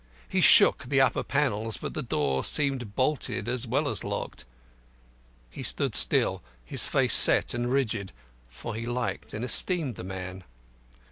He shook the upper panels, but the door seemed bolted as well as locked. He stood still, his face set and rigid, for he liked and esteemed the man.